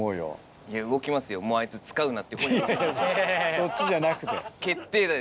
そっちじゃなくて。